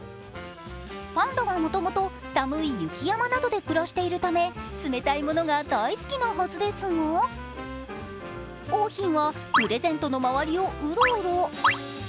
パンダはもともと寒い雪山などで暮らしているため、冷たいものが大好きなはずですが桜浜はプレゼントの周りをうろうろ。